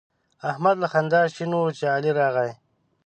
احمد له خندا شین وو چې علي راغی.